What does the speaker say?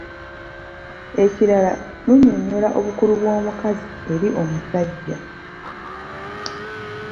Ekirala, lunnyonnyola obukulu bw’omukazi eri omusajja